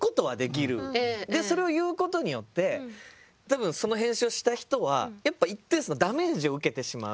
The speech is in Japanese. それを言うことによって多分その編集をした人はやっぱ一定数のダメージを受けてしまう。